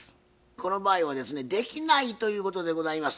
この場合はですねできないということでございます。